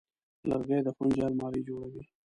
لرګی د ښوونځي المارۍ جوړوي.